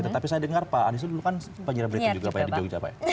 tetapi saya dengar pak anies dulu kan penyirap berita juga di jogja